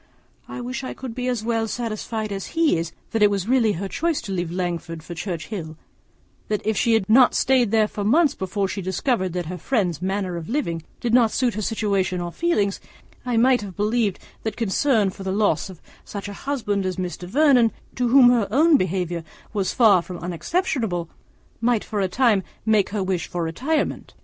I wish I could be as well satisfied as he is, that it was really her choice to leave Langford for Churchhill; and if she had not stayed there for months before she discovered that her friend's manner of living did not suit her situation or feelings, I might have believed that concern for the loss of such a husband as Mr. Vernon, to whom her own behaviour was far from unexceptionable, might for a time make her wish for retirement.